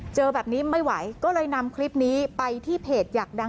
เจอแบบนี้ไม่ไหวก็เลยนำคลิปนี้ไปที่เพจอยากดัง